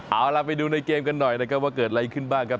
เอาล่ะไปดูในเกมกันหน่อยนะครับว่าเกิดอะไรขึ้นบ้างครับ